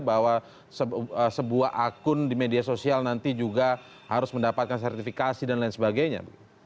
bahwa sebuah akun di media sosial nanti juga harus mendapatkan sertifikasi dan lain sebagainya